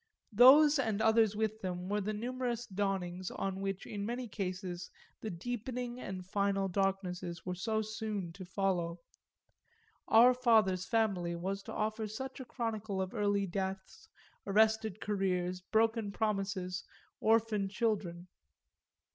Those and others with them were the numerous dawnings on which in many cases the deepening and final darknesses were so soon to follow: our father's family was to offer such a chronicle of early deaths, arrested careers, broken promises, orphaned children.